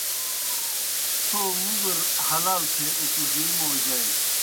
تھو مُگر حلال تھے اُکڙی موجائے۔